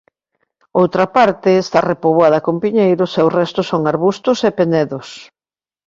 Outra parte está repoboada con piñeiros e o resto son arbustos e penedos.